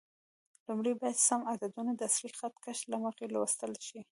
لومړی باید سم عددونه د اصلي خط کش له مخې لوستل شي.